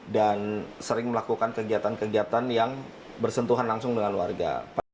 dan sering melakukan kegiatan kegiatan yang bersentuhan langsung dengan warga